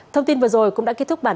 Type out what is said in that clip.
cảm ơn các bạn đã theo dõi